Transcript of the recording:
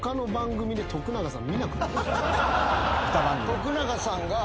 徳永さん。